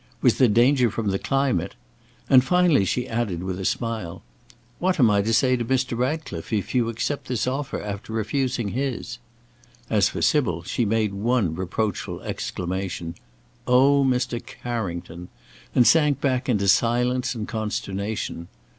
Was there danger from the climate? and finally she added, with a smile, "What am I to say to Mr. Ratcliffe if you accept this offer after refusing his?" As for Sybil, she made one reproachful exclamation: "Oh, Mr. Carrington!" and sank back into silence and consternation.